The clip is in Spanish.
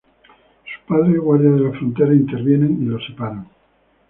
Sus padres, guardias de la frontera, intervienen y los separan.